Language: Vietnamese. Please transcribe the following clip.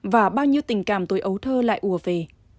và bao nhiêu tình cảm tôi ấu thơ lại ủa về